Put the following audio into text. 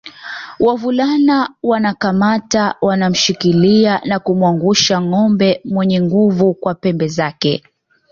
Wavulana wanakamata wanamshikilia na kumwangusha ngombe mwenye nguvu kwa pembe zake